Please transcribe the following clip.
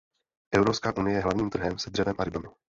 Evropská unie je hlavním trhem se dřevem a rybami.